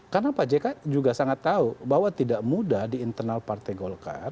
karena pak jk juga sangat tahu bahwa tidak mudah di internal partai golkar